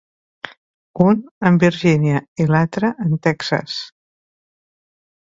Un en Virgínia i l'altre en Texas.